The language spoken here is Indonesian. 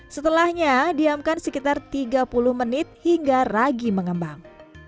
setelahnya diamkan sekitar tiga puluh menit hingga ragi mengembang